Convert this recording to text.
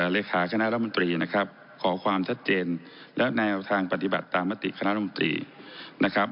เลขาคณะรัฐมนตรีนะครับขอความชัดเจนและแนวทางปฏิบัติตามมติคณะรมตรีนะครับ